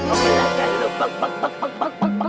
oke lah kalau begitu